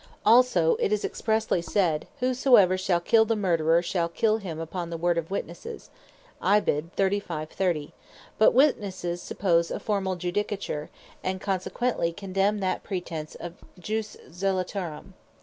Also Numb. 35.30. it is expressely said, "Whosoever shall kill the Murtherer, shall kill him upon the word of Witnesses:" but Witnesses suppose a formall Judicature, and consequently condemn that pretence of Jus Zelotarum.